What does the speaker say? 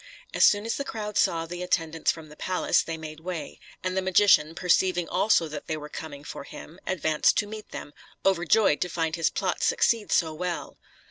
As soon as the crowd saw the attendants from the palace, they made way; and the magician, perceiving also that they were coming for him, advanced to meet them, overjoyed to find his plot succeed so well.